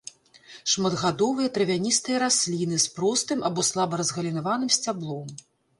Шматгадовыя травяністыя расліны з простым або слаба разгалінаваным сцяблом.